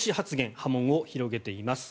波紋を広げています。